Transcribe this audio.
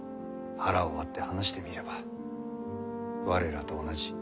腹を割って話してみれば我らと同じ。